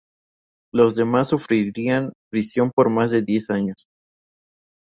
Los demás sufrirían prisión por más de diez años.